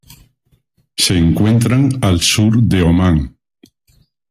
Se encuentran al sur de Omán.